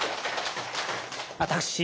私。